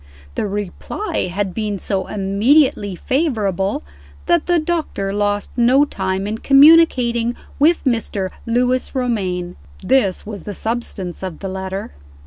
The reply had been so immediately favorable, that the doctor lost no time in communicating with Mr. Lewis Romayne. This was the substance of the letter.